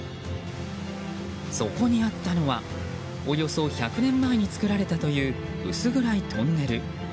そこにあったのはおよそ１００年前に造られたという薄暗いトンネル。